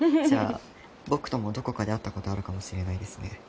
じゃあ僕ともどこかで会ったことあるかもしれないですね。